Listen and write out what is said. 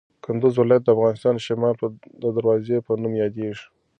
کندوز ولایت د افغانستان د شمال د دروازې په نوم یادیږي.